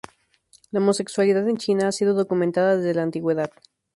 La homosexualidad en China ha sido documentada desde la antigüedad.